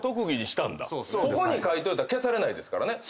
ここに書いといたら消されないですからね。